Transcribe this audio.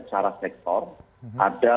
secara sektor ada